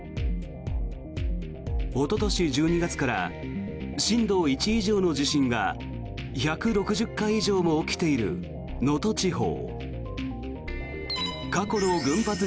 おととし１２月から震度１以上の地震が１６０回以上も起きている能登地方。